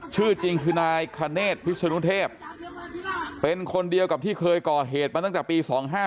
ชื่อจริงคือนายคเนธพิศนุเทพเป็นคนเดียวกับที่เคยก่อเหตุมาตั้งแต่ปี๒๕๖